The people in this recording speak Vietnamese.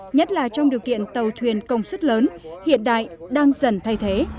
nhất là trong điều kiện tàu thuyền công suất lớn hiện đại đang dần thay thế